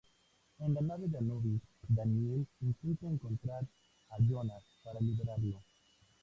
En la nave de Anubis, Daniel intenta encontrar a Jonas para liberarlo.